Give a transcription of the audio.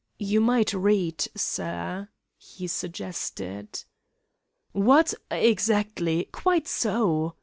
"You might read, sir," he suggested. "What? Exactly! Quite so!"